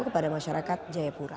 kepada masyarakat jayapura